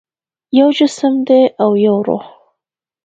یو جسم دی او یو روح